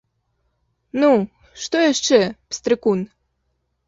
Ну, што яшчэ, пстрыкун?